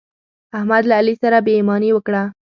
احمد له علي سره بې ايماني وکړه.